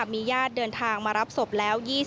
ส่วนสบนิรนามทั้ง๓คนที่แพทย์ขอความร่วมมือก่อนหน้านี้นะคะ